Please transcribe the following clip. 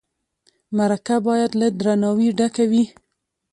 مرکه باید له درناوي ډکه وي.